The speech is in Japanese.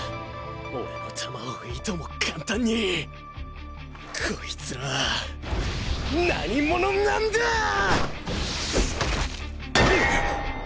俺の球をいとも簡単にこいつら何者なんだぁぁぁっ！